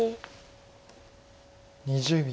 ２０秒。